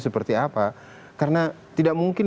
seperti apa karena tidak mungkin